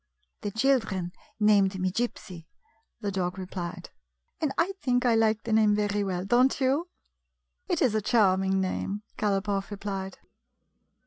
" The children named me Gypsy," the dog replied, " and I think I like the name very well. Don't you ?" "It is a charming name," Galopoff replied.